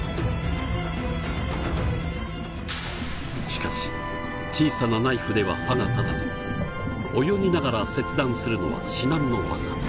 しかし小さなナイフでは刃が立たず泳ぎながら切断するのは至難の業。